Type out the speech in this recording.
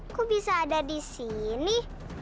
aku bisa ada disini